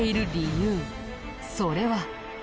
それは。